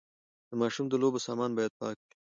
د ماشوم د لوبو سامان باید پاک وي۔